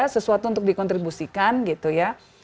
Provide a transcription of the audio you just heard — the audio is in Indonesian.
sesuatu untuk dikontribusikan gitu ya